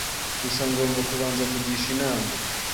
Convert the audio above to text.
gusa ngomba kubanza kugisha inama